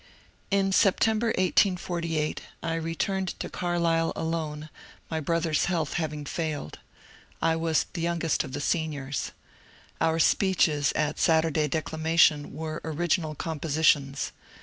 In September, 1848, I returned to Carlisle alone, my bro ther's health having failed. I was youngest of the Seniors. Our speeches at Saturday declamation were original composi tions.